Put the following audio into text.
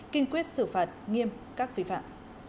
kinh quyết xử phạt nghiêm các vi phạm